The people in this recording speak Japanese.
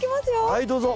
はいどうぞ。